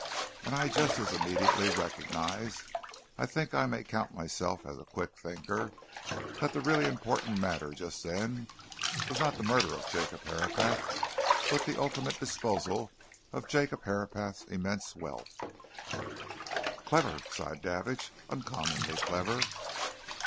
And I just as immediately recognized I think I may count myself as a quick thinker that the really important matter just then was not the murder of Jacob Herapath, but the ultimate disposal of Jacob Herapath's immense wealth." "Clever!" sighed Davidge. "Uncommonly clever!"